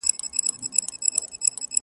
پر شنو بانډو به ګرځېدله مست بېخوده زلمي!.